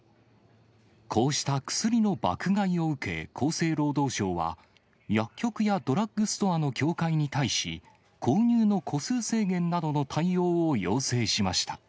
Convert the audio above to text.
こうした薬の爆買いを受け、厚生労働省は薬局やドラッグストアの協会に対し、購入の個数制限などの対応を要請しました。